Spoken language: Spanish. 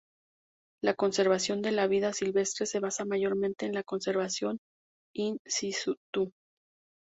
La conservación de la vida silvestre se basa mayormente en la conservación "in situ".